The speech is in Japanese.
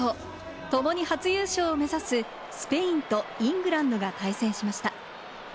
ともに初優勝を目指すスペインとイングランドが対戦しました。